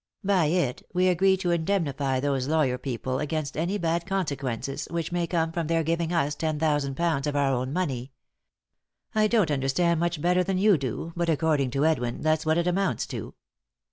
By it we agree to indemnify those lawyer people against any bad consequences which may come from their giving us ten thousand pounds of our own money. I don't understand much better than you do, but, accord ing to Edwin, that's what it amounts to."